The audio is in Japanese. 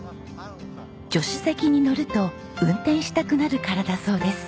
助手席に乗ると運転したくなるからだそうです。